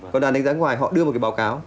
còn đoàn đánh giá ngoài họ đưa một cái báo cáo